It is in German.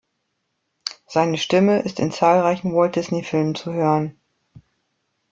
Seine Stimme ist in zahlreichen Walt-Disney-Filmen zu hören.